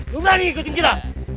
lu berani ikutin kita